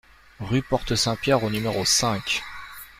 Rue Porte Saint-Pierre au numéro cinq